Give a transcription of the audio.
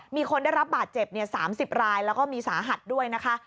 มีคนได้รับบาดเจ็บ๓๐รายแล้วก็มีสาหัสด้วยนะคะ